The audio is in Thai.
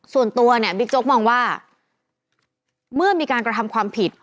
ส่วนตัวเนี่ยบิ๊กโจ๊กมองว่าเมื่อมีการกระทำความผิด